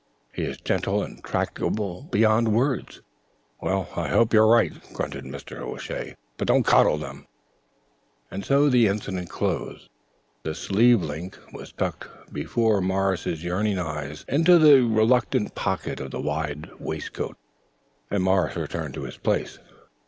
"He is gentle and tractable beyond words." "Well, I hope you're right," grunted Mr. O'Shea, "but don't coddle them." And so the incident closed. The sleeve link was tucked, before Morris's yearning eyes, into the reluctant pocket of the wide white waistcoat, and Morris returned to his place.